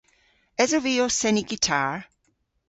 Esov vy ow seni gitar?